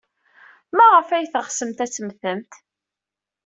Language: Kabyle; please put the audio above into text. Maɣef ay teɣsemt ad temmtemt?